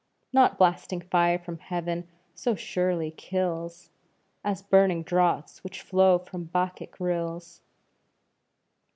Not blasting fire from heaven so surely kills, As burning draughts which flow from Bacchic rills.